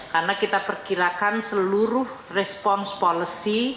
karena kita perkirakan seluruh response policy